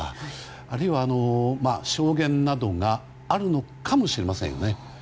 あるいは、証言などがあるのかもしれませんよね。